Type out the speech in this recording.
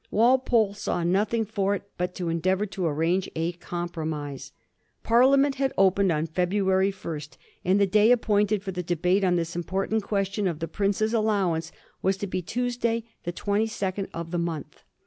Walpole saw nothing for it but to endeavor to arrange a compromise. Parliament had opened on February 1st, and the day appointed for the debate on this important question of the prince's allowance was to be Tuesday, the 22d of the month.